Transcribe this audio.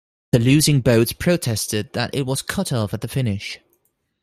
The losing boat protested that it was cut off at the finish.